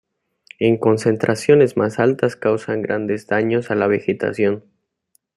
En concentraciones más altas causan grandes daños a la vegetación.